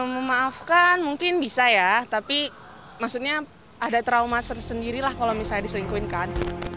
memaafkan mungkin bisa ya tapi maksudnya ada trauma sendiri lah kalau misalnya diselingkuhinkan